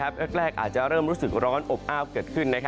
แรกอาจจะเริ่มรู้สึกร้อนอบอ้าวเกิดขึ้น